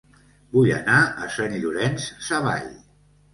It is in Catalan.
Vull anar a Sant Llorenç Savall